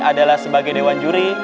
adalah sebagai dewan juri